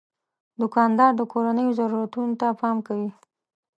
دوکاندار د کورنیو ضرورتونو ته پام کوي.